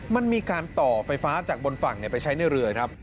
มันมีการต่อไฟฟ้าจากบนฝั่งไปใช้ในเรือครับ